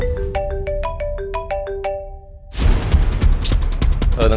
tidak bangun dong mona